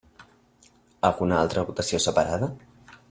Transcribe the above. Alguna altra votació separada?